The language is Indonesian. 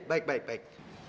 baik baik baik